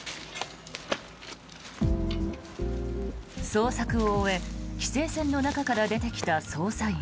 捜索を終え規制線の中から出てきた捜査員。